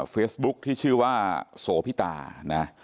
เฟซบุ๊คที่ชื่อว่าโสพิตานะ